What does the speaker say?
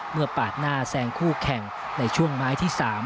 ปาดหน้าแซงคู่แข่งในช่วงไม้ที่๓